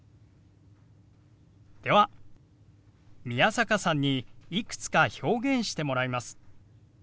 では宮坂さんにいくつか表現してもらいます。